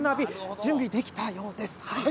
準備できたようです。